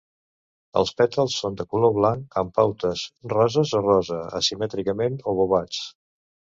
Els pètals són de color blanc amb pautes roses o rosa, asimètricament obovats.